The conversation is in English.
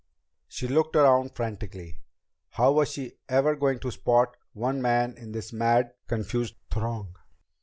She looked around frantically. How was she ever going to spot one man in this mad, confused throng?